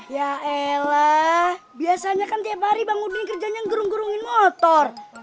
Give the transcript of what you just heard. ya elah biasanya kan tiap hari bang udin kerjanya ngerung gerungin motor